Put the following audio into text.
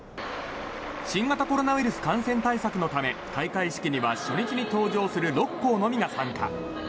新型コロナウイルス感染対策のため開会式には初日に登場する６校のみが参加。